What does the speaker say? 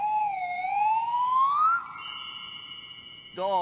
どう？